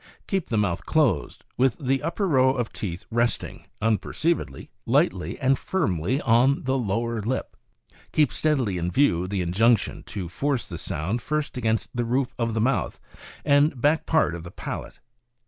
Keep the mouth closed, with the upper row of teeth resting unperceivedly, lightly and firmly on the lower lip. Keep steadily in view the injunction to force the sound first against the roof of the mouth and back part of the palate.